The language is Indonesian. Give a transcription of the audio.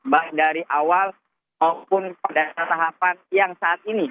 baik dari awal maupun pada tahapan yang saat ini